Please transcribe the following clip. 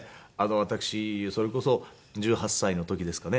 私それこそ１８歳の時ですかね。